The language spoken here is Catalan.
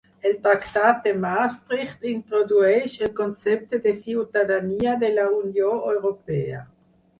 El Tractat de Maastricht introdueix el concepte de ciutadania de la Unió Europea.